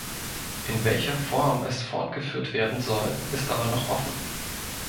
In welcher Form es fortgeführt werden soll, ist aber noch offen.